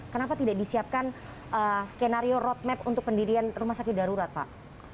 kenapa tidak disiapkan skenario roadmap untuk pendirian rumah sakit darurat pak